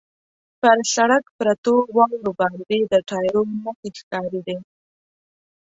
پر سړک پرتو واورو باندې د ټایرو نښې ښکارېدې.